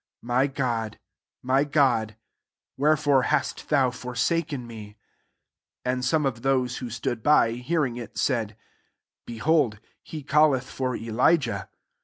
My God, My God> wherefore hast thcMi forsak^i me ? 35 And some of those who stood by, hearing fV, said, ^< Be* hold he caUeth for Elijah."